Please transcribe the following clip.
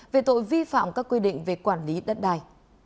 về tội vi phạm các quy định về quản lý đất đai